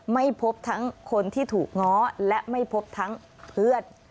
ไม่พบทั้งคนที่ถูกง้อและไม่พบทั้งเพื่อน